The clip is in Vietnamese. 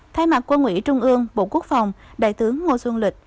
thay mặt quân ủy trung ương bộ quốc phòng đại tướng ngô xuân lịch